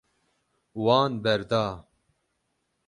Wan berda.